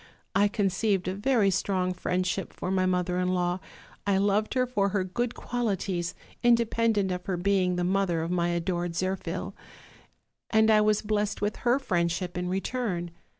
I conceived a very strong friendship for my mother in law;. I loved her for her good qualities, inde pendent of her being the mother of my adored Zirphil; and I was blessed with her friendship in return.